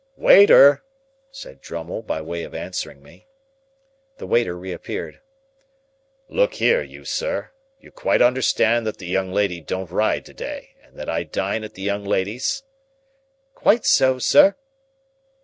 "Waiter!" said Drummle, by way of answering me. The waiter reappeared. "Look here, you sir. You quite understand that the young lady don't ride to day, and that I dine at the young lady's?" "Quite so, sir!"